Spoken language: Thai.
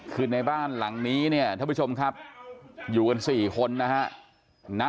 คือในบ้านหลังนี้เนี่ยท่านผู้ชมครับอยู่กัน๔คนนะฮะ